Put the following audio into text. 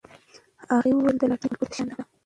هغې وویل دا د لاټرۍ ګټلو په شان دی.